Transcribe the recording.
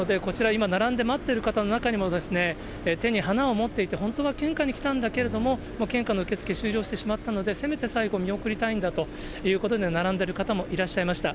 今、並んで待っている方の中にも、手に花を持っていて、本当は献花に来たんだけれども、もう献花の受け付け、終了してしまったので、せめて最後、見送りたいんだということで、並んでる方もいらっしゃいました。